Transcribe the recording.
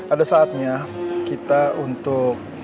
ada saatnya kita untuk